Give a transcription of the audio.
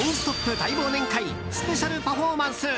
大忘年会スペシャルパフォーマンス。